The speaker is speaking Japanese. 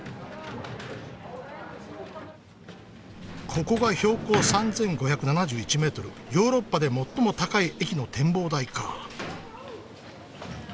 ここが「標高３，５７１ｍヨーロッパで最も高い駅の展望台」か。